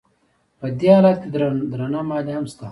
په دې حالت کې درنه مالیه هم شته